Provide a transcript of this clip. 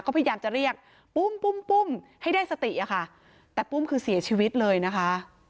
ก็พยายามจะเรียกปุ้มปุ้มปุ้มให้ได้สติอะค่ะแต่ปุ้มคือเสียชีวิตเลยนะคะ